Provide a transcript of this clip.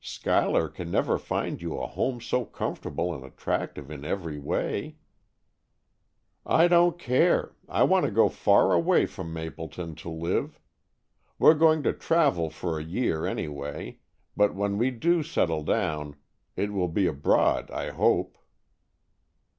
Schuyler can never find you a home so comfortable and attractive in every way." "I don't care. I want to go far away from Mapleton to live. We're going to travel for a year, any way, but when we do settle down, it will be abroad, I hope."